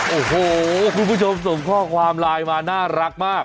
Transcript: โอ้โหคุณผู้ชมส่งข้อความไลน์มาน่ารักมาก